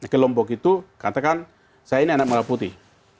di kelompok itu katakan saya ini anak merah putih